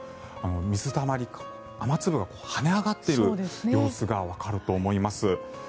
水たまり雨粒が跳ね上がっている様子がわかると思います。